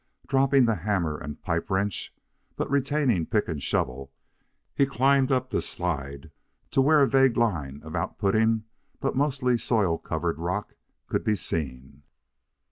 Dropping the hammer and pipe wrench, but retaining pick and shovel, he climbed up the slide to where a vague line of outputting but mostly soil covered rock could be seen.